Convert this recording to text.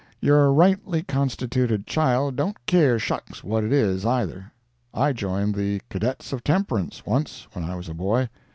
Your rightly constituted child don't care shucks what it is, either. I joined the Cadets of Temperance, once, when I was a boy.